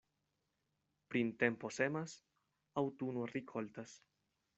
Printempo semas, aŭtuno rikoltas.